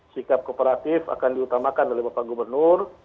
sikap kooperatif akan diutamakan oleh bapak gubernur